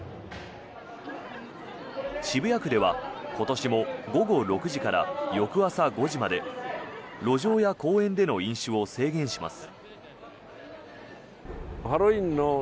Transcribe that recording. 渋谷区では今年も午後６時から翌朝５時まで路上や公園での飲酒を制限します。